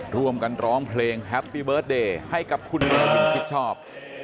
ร่วมกันร้องเพลงแฮปปี้เบิร์ตเดย์ให้กับคุณเนวินชิดชอบ